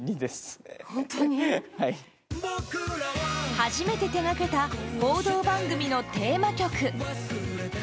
初めて手掛けた報道番組のテーマ曲。